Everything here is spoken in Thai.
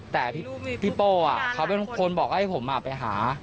แต่พี่โป้เขาเป็นคนบอกให้ผมไปหา